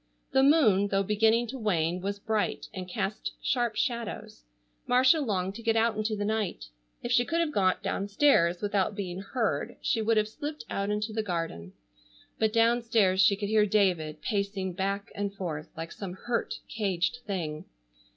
The moon, though beginning to wane, was bright and cast sharp shadows. Marcia longed to get out into the night. If she could have got downstairs without being heard she would have slipped out into the garden. But downstairs she could hear David pacing back and forth like some hurt, caged thing.